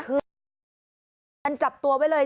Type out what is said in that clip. อุ่มไปเลย